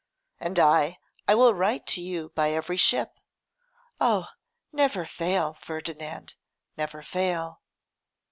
'And I I will write to you by every ship.' 'Oh! never fail, Ferdinand, never fail.